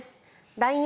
ＬＩＮＥ